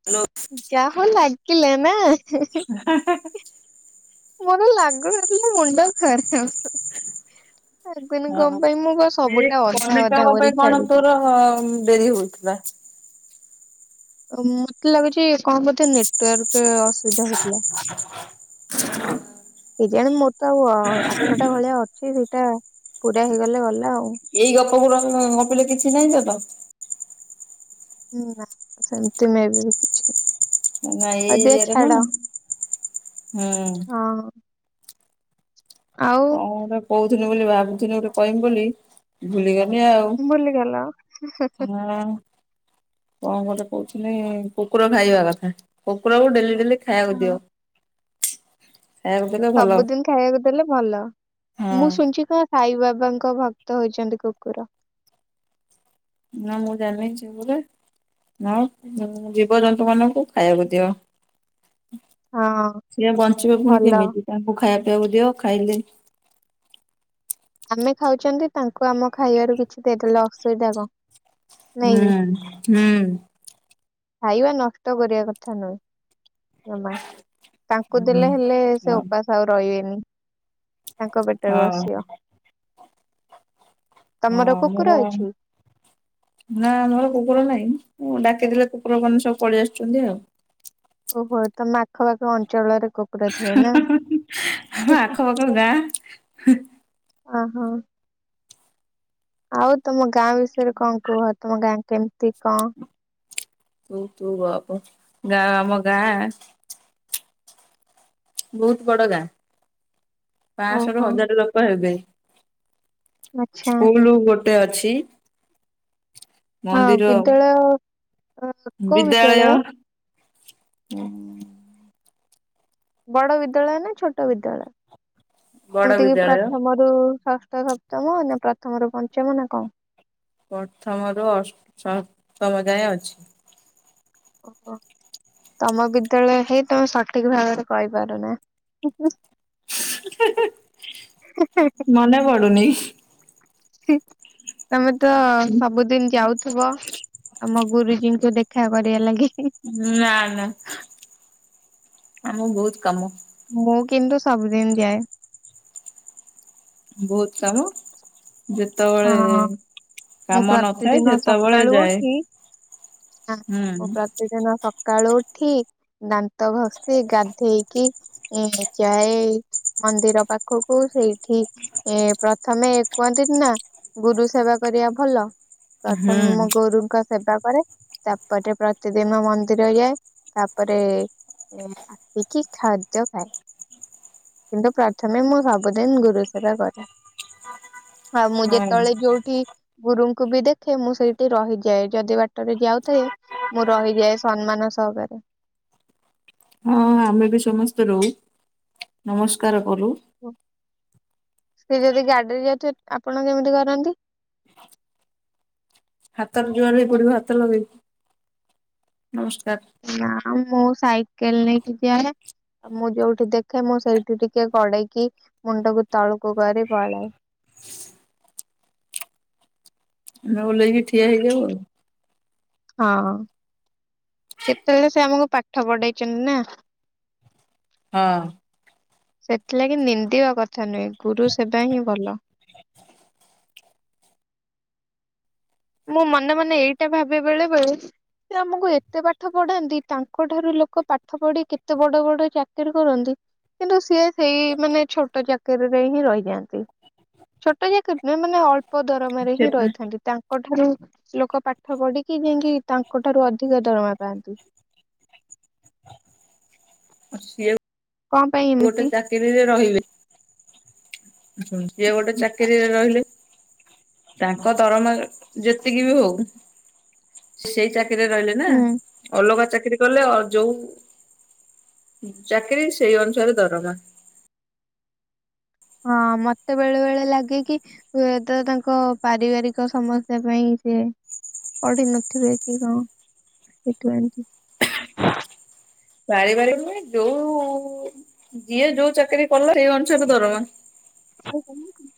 [inaudible] ଜା ହଉ ଲାଗିଲା ନା [inaudible] ମୋର ଲାଗୁନଥିଲା ମୁଣ୍ଡ ଖରିପ [inaudible] କଣ ହଁ ପାଇଁ ମୁଁ କଣ ସବୁଟା ଅଧା ଅଧା କରି ଛାଡିଛି। ହଁ ଡେରି ହଉଥିଲା। ମତେ ଲାଗୁଛି କଣ ବୋଧେ ନେଟୱାର୍କ ଅସୁବିଧା ହଉଛି। [unintelligible] କେଜାଣି ମୋର ତ ଆଉ ଆଠଟା ଭଳିଆ ଅଛି ସେଇଟା ପୁରା ହେଇଗଲେ ଗଲା ଆଉ। ଏଇ ଗପ ଗୁରାକ ଗପିଲେ କିଛି ନାହିଁ ତ ତ। ନା ସେମତି ମେ ବି କିଛି ନାଇଁ ଏଇ ଆଉ ଦେ ଇୟେରେ ଛାଡ ମ ହୁଁ। ହଁ ଆଉ କଣ ଗୋଟେ କହୁଥୁନି ବୋଲି ଭାବୁଥିନି ଗୋଟେ କହମି ବୋଲି। ଭୁଲିଗନି ଆଉ ଭୁଲିଗଲ ହଁ। କଣ ଗୋଟେ କହୁଥିନି କୁକୁର ଖାଇବା କଥା କୁକୁରକୁ ଡେଲି ଡେଲି ଖାଇବାକୁ ହଁ ଦିଅ। ଖାଇବାକୁ ଦେଲେ ଭଲ ସବୁଦିନି ଖାଇବାକୁ ଦେଲେ ଭଲ ମୁଁ ହଁ ଶୁଣିଚି ତ ସାଇ ବାବାଙ୍କ ଭକ୍ତ ହେଉଚନ୍ତି କୁକୁର। ନା ମୁଁ ଜାଣିଚି ପୁରା। ଆଉ ଜୀବଜନ୍ତୁ ମାନଙ୍କୁ ଖାଇବାକୁ ଦିଅ। ହଁ ସିଏ ବଞ୍ଚିଵେ ପୁଣି ଭଲ। କେମିତି ତାଙ୍କୁ ଖାଇବା ପିଇବାକୁ ଦିଅ ଖାଇଲେ ଆମେ ଖାଉଚନ୍ତି ତାଙ୍କୁ ଆମ ଖାଇବାରୁ କିଛି ଦେଇଦେଲେ ଅସୁବିଧା କଣ। ନାଇଁ କି? ହୁଁ ହୁଁ। ଖାଇବା ନଷ୍ଟ କରିବା କଥା ନୁହେଁ। ଜମା ତାଙ୍କୁ ହୁଁ ଦେଲେ ହେଲେ ସେ ହଁ ଉପାସ ଆଉ ରହିବେନି। ତାଙ୍କ ପେଟରୁ ହଁ ଆସିବ। ତମର କୁକୁର ଆମର ଅଛି? ନା ଆମର କୁକୁର ନାହିଁ ମୁଁ ଡାକିଦଲେ କୁକୁର ମାନେ ସବୁ ପଳିଇ ଆସୁଚନ୍ତି ଆଉ। ଓହୋ ତମ ଆଖପାଖ ଅଞ୍ଚଳରେ କୁକୁର ଥିବେ ନା। କଣ ଗାଁଶ ଅ ହଁ। ଆଉ ତମ ଗାଁ ବିଷୟରେ କଣ କୁହ ତମ ଗାଁ କେମିତି କଣ ତୁ ତୁ ଗପ ଗାଁ ଆମ ଗାଁ ବୋହୁତ ବଡ ଗାଁ ପାଁଶ ରୁ ଓହୋ ହଜାର ଲୋକ ହେବେ। ଆଚ୍ଛା ସ୍କୁଲୁ ଗୋଟେ ଅଛି। ହଁ ମନ୍ଦିର ବିଦ୍ୟାଳୟ ବିଦ୍ୟାଳୟ [inaudible] ବଡ ବିଦ୍ୟାଳୟ ନା ଛୋଟ ବିଦ୍ୟାଳୟ ବଡ ଯେମିତିକି ବିଦ୍ୟାଳୟ ପ୍ରଥମ ରୁ ଷଷ୍ଠ ସପ୍ତମ ନା ପ୍ରଥମ ରୁ ପଞ୍ଚମ ନା କଣ। ପ୍ରଥମରୁ ଅଷ୍ଟ ସପ୍ତମ ଯାଁଏ ଅଛି। ଓହୋ। ତମ ବିଦ୍ୟାଳୟ ହେଇ ତମେ ସଠିକ ଭାବରେ କହିପାରୁନା। ହି ହି ମନେ ପଡୁନି। ହି ତମେ ତ ସବୁଦିନ ଯାଉ ଥୁବ ତମ ଗୁରୁଜୀଙ୍କୁ ଦେଖା କରିବା ଲାଗି। ନା ନା ଆମକୁ ବୋହୁତ କାମ। ମୁଁ କିନ୍ତୁ ସବୁଦିନ ଯାଏ। ବୋହୁତ କାମ ଯେତ ଯେତ ବେଳେ ହଁ ମୁଁ କାମ ନଥାଏ ପ୍ରତିଦିନ ସେତେବେଳେ ସକାଳୁ ଯାଏ। ଉଠି ହୁଁ। ମୁଁ ପ୍ରତିଦିନ ସକାଳୁ ଉଠି ଦାନ୍ତ ଘଷି ଗାଧେଇକି ଉଁ ଯାଇଚି। ମନ୍ଦିର ପାଖକୁ ସେଇଠି ଏ ପ୍ରଥମେ କୁହନ୍ତିନି ନା ଗୁରୁ ସେବା କରିବା ଭଲ ହୁଁ ପ୍ରଥମେ ମୁଁ ଗୁରୁଙ୍କ ସେବା କରେ ତାପରେ ପ୍ରତିଦିନ ମନ୍ଦିର ଯାଏ ତାପରେ ଆସିକି ଖାଦ୍ୟ ଖାଏ। କିନ୍ତୁ ପ୍ରଥମେ ମୁଁ ସବୁଦିନ୍ ଗୁରୁ ସେବା କରେ। ଆଉ ମୁଁ ହଁ। ଯେତେବେଳେ ଯୋଉଠି ଗୁରୁଙ୍କୁ ବି ଦେଖେ ମୁଁ ସେଇଟି ରହିଯାଏ ଯଦି ବାଟରେ ଯାଉଥାଏ ମୁଁ ରହିଯାଏ ସମ୍ମାନ ସହକରେ। ହଁ ଆମେ ବି ସମସ୍ତେ ରଉ ନମସ୍କାର କରୁ। ସେ ଯଦି ଗାଡିରେ ଯାଉଥିବେ ଆପଣ କେମିତି କରନ୍ତି? ହାତରେ ଜୁଆର ହେଇ ପଡିବୁ ହାତ ଲଗେଇକି ନମସ୍କାର। ନାଁ ମୁଁ ସାଇକେଲ ନେଇକି ଯାଏ ଆଉ ମୁଁ ଯୋଉଠି ଦେଖେ ମୁଁ ସେଇଠି ଟିକେ ଗଡେଇକି ମୁଣ୍ଡକୁ ତଳୁକୁ କରି ପଳାଏ। ଆମେ ଓହ୍ଲେଇକି ଠିଆ ହେଇଯାଉ ଆଉ। ହଁ। କେତେବେଳେ ସେ ଆମକୁ ପାଠ ପଢେଇଛନ୍ତି ନାଁ? ହଁ। ସେଥିଲାଗି ନିନ୍ଦିବା କଥା ନୁହେଁ ଗୁରୁ ସେବା ହିଁ ଭଲ। ମୁଁ ମନେ ମନେ ଏଇଟା ଭାବେ ବେଳେବେଳେ ସେ ଆମକୁ ଏତେ ପାଠ ପଢାନ୍ତି ତାଙ୍କଠାରୁ ଲୋକ ପାଠ ପଢି କେତେ ବଡ ବଡ ଚାକିରୀ କରନ୍ତି। କିନ୍ତୁ ସିଏ ସେଇ ମାନେ ଛୋଟ ଚାକିରୀ ରେ ହିଁ ରହିଯାଆନ୍ତି। ଛୋଟ ଚାକିରି ନୁହେଁ ମାନେ ଅଳ୍ପ ହଁ ଦରମାରେ ସେ ହିଁ ରହିଥାନ୍ତି। ତାଙ୍କ ଠାରୁ ଲୋକ ପାଠ ପଢିକି ଯାଇକି ତାଙ୍କ ଠାରୁ ଅଧିକ ଦରମା ପାଆନ୍ତି। ଅ ସିଏ କଣ ପାଇଁ ଗୋଟେ ଏମିତି ଚାକିରିରେ ରହିବେ। ସିଏ ଗୋଟେ ଚାକିରି ରେ ରହିଲେ। ତାଙ୍କ ତରମା ଯେତିକି ବି ହଉ ସେଇ ଚାକିରିରେ ରହିଲେ ନାଁ ହୁଁ ଅଲଗା ଚାକିରି କଲେ ଅ ଯୋଉ ଚାକିରୀ ସେଇ ଅନୁସାରେ ଦରମା। ହଁ ମତେ ବେଳେ ବେଳେ ଲାଗେ କି ହୁଏତ ତାଙ୍କ ପାରିବାରିକ ସମସ୍ୟା ପାଇଁ ସିଏ ପଢି ନଥିବେ କି କଣ ସେଠୁ ଏମିତି। ପାରି ବାରିକ ନୁହେଁ ଯୋଉ ଯିଏ ଯୋଉ ଚାକିରି କଲା ସେଇ ଅନୁସାରେ ଦରମା। [unintelligible]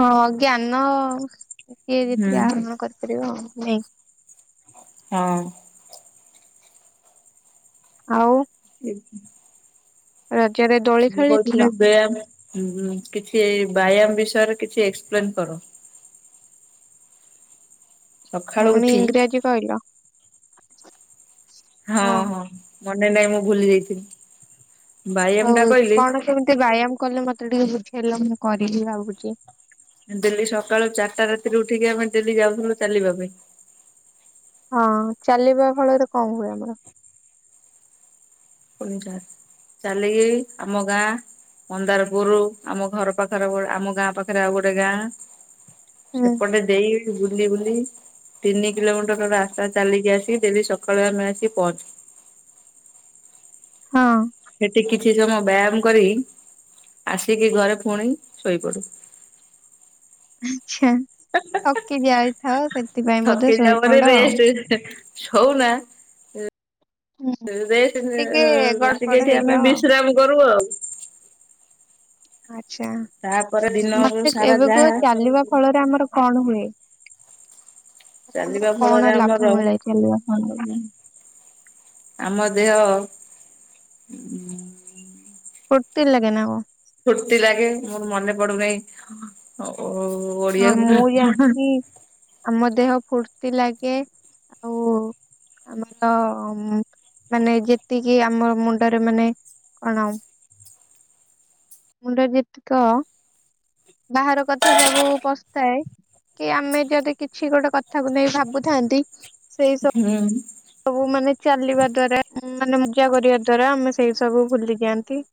ହଁ ଜ୍ଞାନ କିଏ ହୁଁ ଯେତିକି ଆହରଣ କରେ। କରିବ ନାଇଁ? ହଁ। ଆଉ? [unintelligible] ରଜରେ ଦୋଳି ମୁଁ କହୁଥିଲି ଖେଳିଥିଲ? ବେୟାମ ଉଁ ଉଁ କିଛି ବାୟାମ ବିଷୟରେ କିଛି ଏକ୍ସପ୍ଲେନ କର। ସକାଳୁ ପୁଣି ଉଠି ଇଂଗ୍ରାଜୀ କଇଲ? ହଁ ହଁ ମନେ ନାଇଁ ମୁଁ ଭୁଲି ଯାଇଥିଲି। ବ୍ୟାୟାମ ହଉ ଟା କହିଲି କଣ କେମିତି ବାୟାମ କଲେ ମତେ ଟିକେ ବୁଝେଇଲ ମୁଁ କରିବି ଭାବୁଛି। ଡେଲ୍ଲି ସକାଳୁ ଚାରିଟା ରାତିରୁ ଉଠିକି ଆମେ ଡେଲ୍ଲୀ ଯାଉଥିଲୁ ଚାଲିବା ପାଇଁ। ହଁ ଚାଲିବା ଫଳରେ କଣ ହୁଏ ଆମର? ସୁଣି ସାର୍ ଚାଲିକି ଆମ ଗାଁ ମନ୍ଦାରପୁରୁ ଆମ ଘର ପାଖରେ ଗୋଟେ ଆମ ଗାଁ ପାଖରେ ଆଉ ଗୋଟେ ଗାଁ ହୁଁ ସେପଟେ ଦେଇି ବୁଲି ବୁଲି ତିନି କିଲୋମିଟର ରାସ୍ତା ଚାଲିକି ଆସିକି ଡେଲି ସ ସଖାଳୁ ଆମେ ପଅଞ୍ଚୁ। ହଁ। ସେଠି କିଛି ସମୟ ବ୍ୟାୟାମ କରି ଆସିକି ଘରେ ପୁଣି ଶୋଇପଡୁ। ଆଚ୍ଛା ଥକି ଯାଇଥାଅ ସେ ଥକି ଯାଅ ବୋଲି ରେଷ୍ଟ ଛଉନା? ହୁଁ ରେଷ୍ଟ ଏ ଟିକେ ଏ ଗଡପଡ ଆସିକି ଏଠି ଆମେ ହେଇଯାଅ ଆଉ। ବିଶ୍ରାମ କରୁ ଆଉ। ଆଚ୍ଛା ତାପରେ ଦିନରୁ ମତେ ସାରା ଏବେ କୁହ ଯାହା ଚାଲିବା ଫଳରେ ଆମର କଣ ହୁଏ? ମାନେ ଆମର ଚାଲିବା ଫଳରେ କଣ ଲାଭ ଆମର ମିଳେ ଚାଲିବା ଫଳରେ। ଆମ ଦେହ ଉଁ। ଫୁର୍ତ୍ତି ଲାଗେ ନା କଣ? ଫୁର୍ତି ଲାଗେ ମୋର ମନେ ପଡୁନହିଁ ଓ ହଁ ଓଡିଆକୁ ମୁଁ ଜାଣିଛି କଣ କି ଆମ ଦେହ ଫୁର୍ତି ଲାଗେ ଆଉ ଆମର ମାନେ ଯେତିକି ଆମ ମୁଣ୍ଡରେ ମାନେ କଣ? ମୁଣ୍ଡ ଯେତିକ ବାହାର କଥା ସବୁ ପସିଥାଏ କି ଆମେ ଯଦି କିଛି ଗୋଟେ କଥାକୁ ନେଇ ଭାବୁଥାନ୍ତି ସେ ହୁଁ। ସବୁ ମାନେ ଚାଲିବା ଦ୍ଵାରା ମାନେ ମୂଜା କରିବା ଦ୍ଵାରା ଆମେ ସେଇ ସବୁ ଭୁଲିଯାଆନ୍ତି।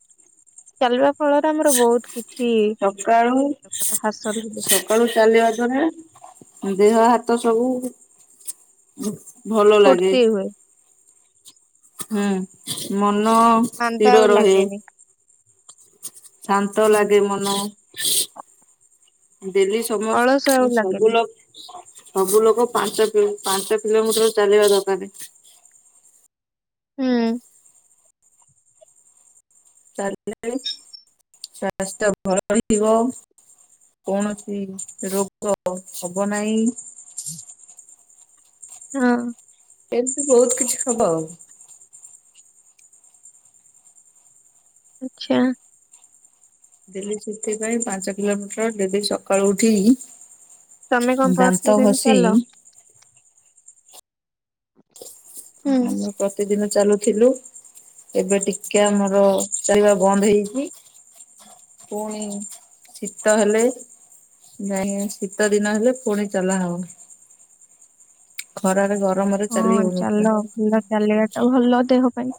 ଚାଲିବା ଫଳରେ ଆମର ବହୁତ କିଛି ସକାଳୁ ମାନେ ହାସଲ ହୁଏ। ସକାଳୁ ଚାଲିବା ଦ୍ଵାରା ଦେହ ହାତ ସବୁ ଭଲ ଲାଗେ ଫୁର୍ତ୍ତି ହୁଏ। ହଁ ହୁଁ ମନ ମାନ୍ଦା ସ୍ଥିର ଆଉ ରହେ ଲାଗେନି। ଶାନ୍ତ ଲାଗେ ମନ। ଡେଲି ଅଳସ ଆଉ ସମସ୍ତ୍ ସବୁ ଲାଗେନି। ଲୋକ ସବୁ ଲୋକ ପାଞ୍ଚ କି ପାଞ୍ଚ କିଲୋମିଟର ଚାଲିବା ଦରକାର। ହୁଁ। ତାଲେ ସ୍ୱାସ୍ଥ୍ୟ ଭଲଥିବ। କୌଣସି ରୋଗ ହବ ନାହିଁ। ହଁ। ଏମିତି ବହୁତ କିଛି ହବ ଆଉ। ଆଚ୍ଛା। ଡେଲି ସେଥିପାଇଁ ପାଞ୍ଚ କିଲୋମିଟର ଡେଲି ସକାଳୁ ଉଠି ତମେ କଣ ଦାନ୍ତ ପ୍ରତିଦିନ ହସି ଚାଲ? ହୁଁ। ଆମ ତ କେତେ ଦିନ ଚାଲୁଥିଲୁ ଏବେ ଟିକେ ଆମର ଚାଲିବା ବନ୍ଦ ହେଇଛି। ପୁଣି ଶୀତ ହେଲେ ନାଇଁ ଶୀତ ଦିନ ହେଲେ ପୁଣି ଚଲାହଉ। ଖରାରେ ଗରମରେ ଚାଲି ହଉନଥିଲା। ଥଣ୍ଡା ଚାଲିବା ଟା ଭଲ ଦେହ ପାଇଁ।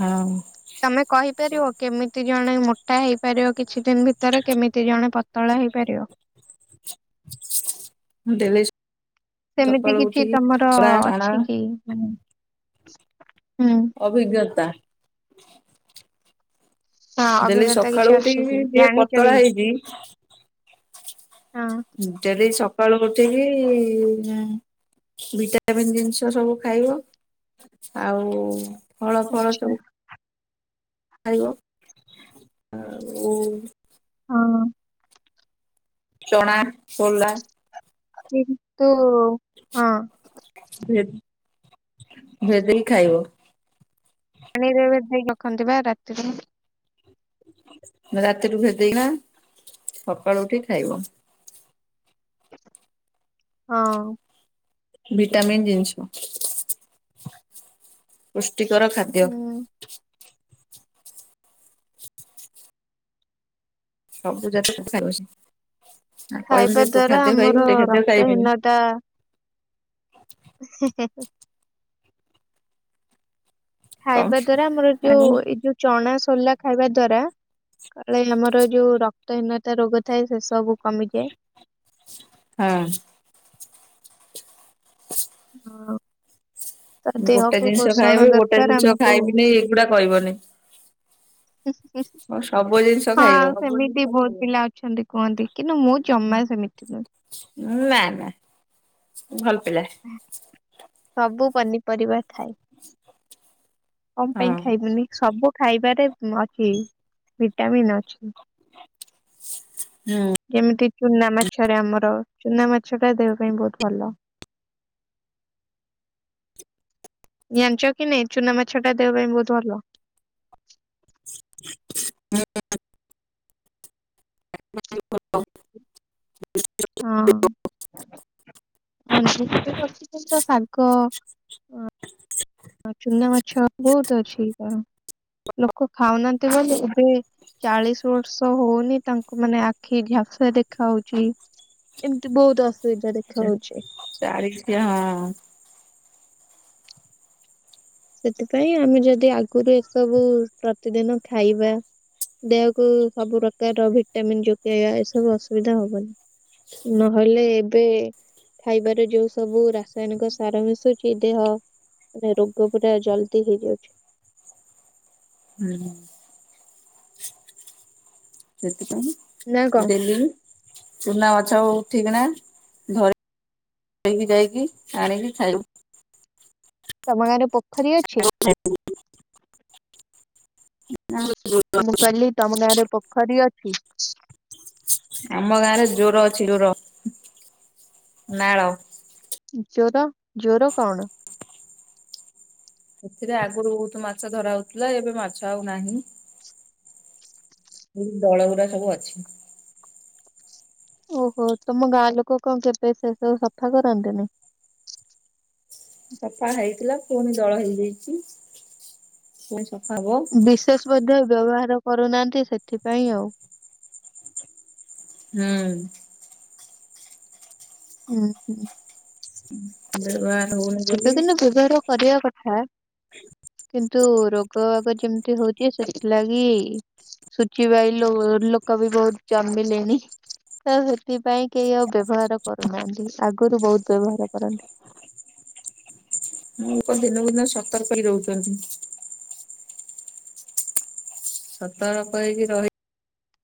ହଁ। ତମେ କହିପାରିବ କେମିତି ଜଣେ ମୋଟା ହେଇପାରିବ କିଛି ଦିନ ଭିତରେ କେମିତି ଜଣେ ପତଳା ହେଇପାରିବ? [unintelligible] ସେମିତି ସକାଳୁ କିଛି ଉଠିକି ତମର ଚଳା ଚଣା ଅଛି କି ହୁଁ। ଅଭିଜ୍ଞତା। ହଁ ଡେଲି ଅଭିଜ୍ଞତା କିଛି ସକାଳୁ ଅଛି କି? ଉଠିକି ଯିଏ ଜାଣିଛ କି? ପତଳା ହେଇଛି ହଁ। ଡେଲି ସକାଳୁ ଉଠିକି ହ ଭିଟା ଟାମିନ ଜିନିଷ ସବୁ ଖାଇବ। ଆଉ ଫଳ ଫଳ ଆଚ୍ଛା। ସବୁ ଖାଇବ ଆଉ ହଁ। ଚଣା, ସୋଲା କିନ୍ତୁ ହଁ ଭେ ଭେଦେଇ ଖାଇବ। ପାଣିରେ ଭେଦେଇ ରଖନ୍ତି ବା ରାତିରେ। ରାତିରୁ ଭେଦେଇକିଣା ସକାଳୁ ଉଠି ଖାଇବ। ହଁ। ଭିଟାମିନ୍ ଜିନିଷ ପୁଷ୍ଟିକର ଖାଦ୍ୟ। ହୁଁ ସବୁ ଜାତରୁ ଖାଉଛି ଆଉ କହିବି ଯଦି କୋଉଠି ଖାଦ୍ୟ ଖାଇବି ଗୋଟେ ଖାଦ୍ୟ ଖାଇବିନି। ତା [unintelligible] କଣ ଖାଇବା ଦ୍ଵାରା ଆମର ଆଉ ଯୋଉ ଏଇ ଯୋଉ ଚଣା ସୋଲା ଖାଇବା ଦ୍ଵାରା କାଳେ ଆମର ଯୋଉ ରକ୍ତହୀନତା ରୋଗ ଥାଏ ସେ ସବୁ କମିଯାଏ। ହଁ। [inaudible] ହଁ। ତ ମୁଁ ଗୋଟେ ଦେହକୁ ଜିନିଷ ପୋଷଣ ଖାଇବି ଗୋଟେ ଦରକାର ଜିନିଷ ଆମକୁ। ଖାଇବିନି ଏଗୁଡ଼ା କହିବନି। ସବୁ ଜିନିଷ ହଁ ହଁ ଖାଇବ ହଁ ସେମିତି ବହୁତ ପିଲା ଅଛନ୍ତି କୁହନ୍ତି କିନ୍ତୁ ମୁଁ ଜମା ସେମିତି ନୁହେଁ। ନା ନା ଭଲ ପିଲା। ସବୁ ପନିପରିବା ଥାଏ। କଣ ହଁ ପାଇଁ ଖାଇବିନି ସବୁ ଖାଇବାରେ ଅଛି ଭିଟାମିନ୍ ଅଛି। ହୁଁ। ଯେମିତି ଚୁନା ମାଛରେ ଆମର ଚୁନା ମାଛ ଟା ଦେହ ପାଇଁ ବହୁତ୍ ଭଲ। ଜାଣିଚ କି ନାହିଁ ଚୁନାମାଛ ଟା ଦେହ ପାଇଁ ବହୁତ୍ ଭଲ। [unintelligible] ହଁ [unintelligible] ସାଇ ହଁ ଚୁନା ମାଛ ବହୁତ୍ ଅଛି କଣ ଲୋକ ଖାଉନାହାନ୍ତି ବୋଲି ଏବେ ଚାଳିଶ ବର୍ଷ ହଉନି ତାଙ୍କୁ ମାନେ ଆଖି ଝାଶା ଦେଖା ହଉଚି। ଏମିତି ବହୁତ୍ ଅସୁବିଧା ଦେଖା ହୋଉଛି। ଚାଳିଶିଆ ହଁ ସେଥିପାଇଁ ଆମେ ଯଦି ଆଗରୁ ଏସବୁ ପ୍ରତିଦିନ ଖାଇବା ଦେହକୁ ସବୁ ପ୍ରକାର ଭିଟାମିିନ୍ ଯୋଗେଇବା ଏସବୁ ଅସୁବିଧା ହବନି। ନହେଲେ ଏବେ ଖାଇବାର ଯୋଉ ସବୁ ରାସାୟନିକ ସାର ମିଶୁଛି ଦେହ ରୋଗ [unintelligible] ପୁରା ଜଲ୍ଦି ହେଇଯାଉଛି। ହୁଁ। ନା ସେଥିପାଇଁ କଣ? ଡେଲି ଚୁନା ମାଛ ଉଠେଇକିଣ ଧରି ଆଣିକି ଯାଇକି ଆଣିକି ଖାଇବୁ। ତମ ଗାଁରେ ପୋ [unintelligible] [unintelligible] ମୁଁ କହିଲି ତମ ଗାଁରେ ପୋଖରୀ ଅଛି? ଆମ ଗାଁରେ ଜୋର ଅଛି ଜୋର ନାଳ ଜ୍ୱର ଜ୍ୱର କଣ? ସେଥିରେ ଆଗରୁ ବହୁତ୍ ମାଛ ଧରା ହଉଥିଲା ଏବେ ମାଛ ଆଉ ନାହିଁ। ଏ ଦଳ ଗୁଡ଼ା ସବୁ ଅଛି। ଓହୋ ତମ ଗାଁ ଲୋକ କଣ କେବେ ସେସବୁ ସଫା କରନ୍ତିନି? ସଫା ହେଇଥିଲା ପୁଣି ଜଳ ହେଇଯାଇଛି ପୁଣି ସଫା ହବ। ବୋଧୁଏ ବ୍ୟବହାର କରୁନାହାନ୍ତି ସେଥିପାଇଁ ଆଉ। ହୁଁ। ହୁଁ ହୁଁ। ହୁଁ। ଦରବାର ହଉନି ଛୋଟଦିନ ବ୍ୟବହାର କରିବା କଥା କିନ୍ତୁ ରୋଗ ବାଗ ଯେମିତି ହଉଚି ସେଥିଲାଗି ସୁଚିବାଇ ଲୋ ଲୋକ ବି ବହୁତ୍ ଜମ୍ବିଲେଣିି। ତ ସେଥିପାଇଁ କେହି ଆଉ ବ୍ୟବହାର କରୁନାହାନ୍ତି ଆଗରୁ ବହୁତ୍ ବ୍ୟବହାର କରନ୍ତି। ଲୋକ ଦିନକୁ ଦିନ ସତର୍କ ହଇ ରହୁଚନ୍ତି। ସତର୍କ ହେଇକି ରହି